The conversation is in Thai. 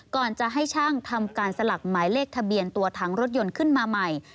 ก่อนจะให้ช่างทำการสลักหมายเลขทะเบียนตัวถังรถยนต์ขึ้นมาใหม่